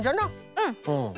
うん。